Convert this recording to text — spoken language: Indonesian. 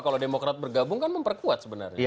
kalau demokrat bergabung kan memperkuat sebenarnya